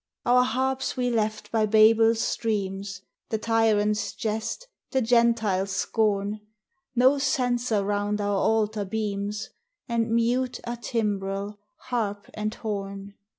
Our harps we left by Babel's streams, The tyrant's jest, the Gentile's scorn; No censer round our altar beams, And mute are timbrel, harp, and horn.